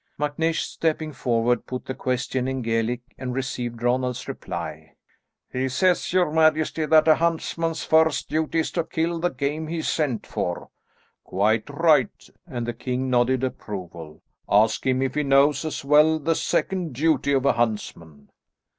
MacNeish, stepping forward, put the question in Gaelic and received Ronald's reply. "He says, your majesty, that a huntsman's first duty is to kill the game he is sent for." "Quite right," and the king nodded approval. "Ask him if he knows as well the second duty of a huntsman."